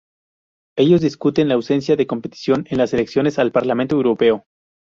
Ellos discuten la ausencia de competición en las elecciones al Parlamento Europeo.